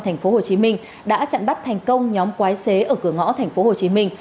thành phố hồ chí minh đã chặn bắt thành công nhóm quái xế ở cửa ngõ thành phố hồ chí minh